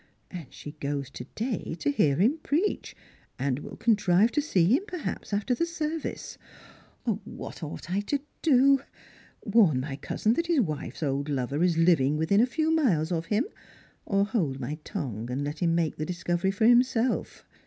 And she goes to day to hear him preach, and will contrive to see him perhaps after the service. What ought I to do ? Warn my cousin that his wife's old lover is Hving within a few miles of him, or hold my tongue and let him make the discovery for himself?